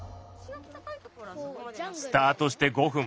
スタートして５分。